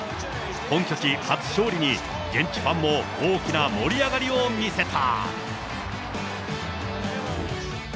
本拠地初勝利に、現地ファンも大きな盛り上がりを見せた。